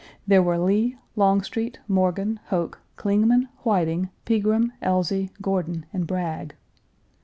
There were Lee, Longstreet, Morgan, Hoke, Clingman, Whiting, Pegram, Elzey, Gordon, and Bragg.